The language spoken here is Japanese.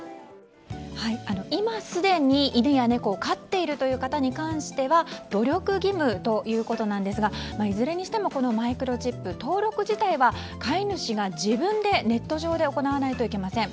今すでに犬や猫を飼っているという方に関しては努力義務ということなんですがいずれにしてもこのマイクロチップ登録自体は飼い主が自分でネット上で行わないといけません。